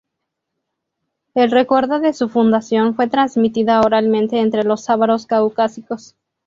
El recuerdo de su fundación fue transmitida oralmente entre los ávaros caucásicos.